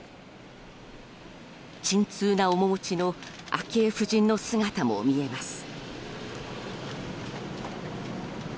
沈痛な面持ちの昭恵夫人の姿も見えます。